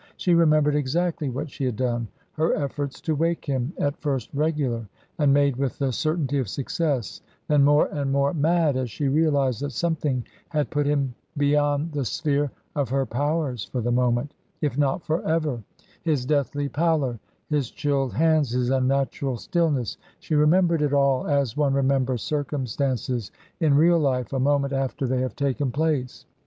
She remembered exactly what she had done, her efforts to wake him, at first regular and made with the certainty of success, then more and more mad as she realised that something had put him beyond the sphere of her powers for the moment, if not for ever; his deathly pallor, his chilled hands, his unnatural stillness she remembered it all, as one remembers circumstances in real life a moment after they have taken place.